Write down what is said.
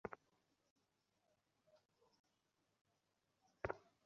অথবা আমরা আমাদের প্রতিপালককে প্রত্যক্ষ করি না কেন?